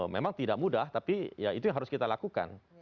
memang tidak mudah tapi ya itu yang harus kita lakukan